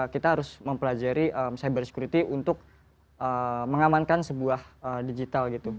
kita harus mempelajari cyber security untuk mengamankan sebuah digital gitu